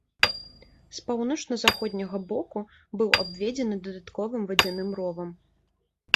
З паўночна-заходняга боку быў абведзены дадатковым вадзяным ровам.